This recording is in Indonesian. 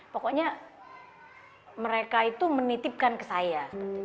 pokoknya mereka itu menitipkan ke saya